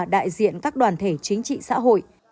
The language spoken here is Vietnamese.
đại diện các đoàn thể chính trị xã hội